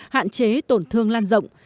hạn chế tổn thương lan rộng